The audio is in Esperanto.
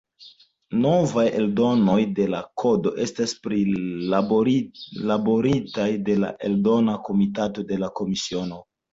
Novaj eldonoj de la Kodo estas prilaboritaj de la Eldona Komitato de la Komisiono.